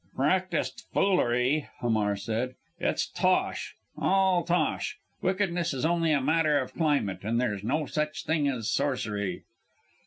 "Practised foolery," Hamar said. "It's tosh all tosh! Wickedness is only a matter of climate and there's no such thing as sorcery."